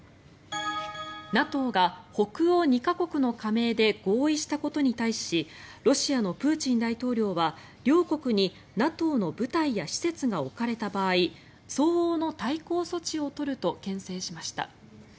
ＮＡＴＯが北欧２か国の加盟で合意したことに対しロシアのプーチン大統領は両国にＮＡＴＯの部隊や施設が置かれた場合相応の対抗措置を取るとけん制しました。